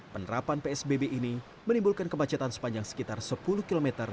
penerapan psbb ini menimbulkan kemacetan sepanjang sekitar sepuluh km